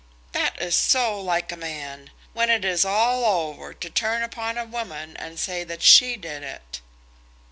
"That is so like a man, when it is all over, to turn upon a woman and say that she did it."